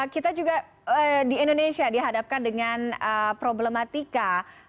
kita juga di indonesia dihadapkan dengan problematika